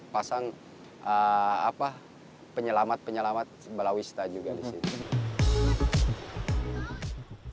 pasang penyelamat penyelamat bawah wisata juga disini